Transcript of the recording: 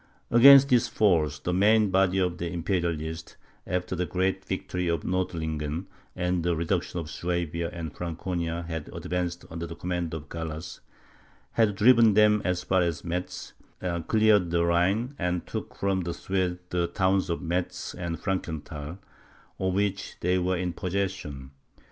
Against this force, the main body of the Imperialists, after the great victory of Nordlingen, and the reduction of Swabia and Franconia had advanced under the command of Gallas, had driven them as far as Metz, cleared the Rhine, and took from the Swedes the towns of Metz and Frankenthal, of which they were in possession.